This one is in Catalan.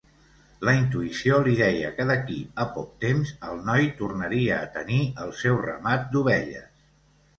La intuïció li deia que d'aquí a poc temps el noi tornaria a tenir el seu ramat d'ovelles.